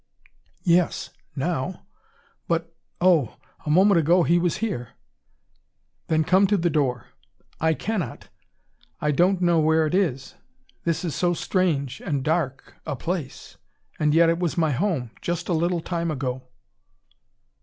"Yes now. But, oh! a moment ago he was here!" "Then come to the door." "I cannot. I don't know where it is. This is so strange and dark a place. And yet it was my home, just a little time ago."